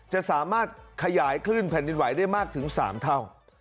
จะสามารถขยายคลื่นแผ่นดินไหวได้มากถึง๓เท่า